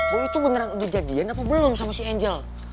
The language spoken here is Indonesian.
boy itu beneran udah jadian apa belum sama si angel